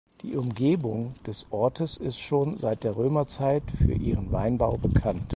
Die Umgebung des Ortes ist schon seit der Römerzeit für ihren Weinbau bekannt.